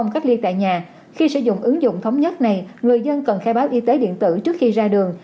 khi sử dụng ứng dụng thống nhất này người dân cần khai báo y tế điện tử trước khi ra đường